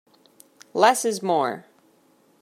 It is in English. Less is more.